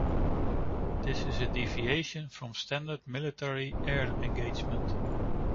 This is a deviation from standard military air engagement.